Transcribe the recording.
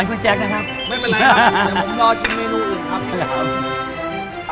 ไม่เป็นไรครับเดี๋ยวผมรอชิมเมนูอื่นครับ